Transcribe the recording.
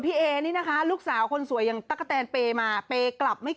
พี่เอนี่นะคะลูกสาวคนสวยอย่างตากะแตนเปมาเปกลับไม่